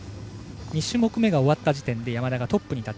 ２種目めが終わった時点で山田がトップ。